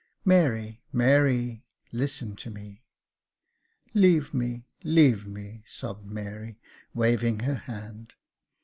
*' Mary, Mary, listen to me." " Leave me, leave me," sobbed Mary, waving her hand.